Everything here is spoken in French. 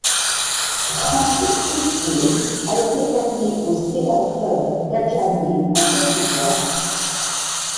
Franck Kessié a été formé au Stella Club d'Adjamé en Côte d'Ivoire.